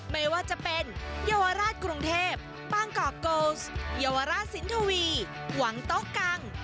ไม่ว่าจะเป็นเยาวราชกรุงเทพปางกอกโกสเยาวราชสินทวีหวังโต๊ะกัง